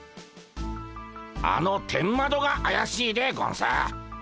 あの天窓があやしいでゴンス。